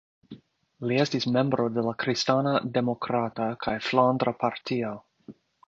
Li estis membro de la kristana demokrata kaj flandra partio.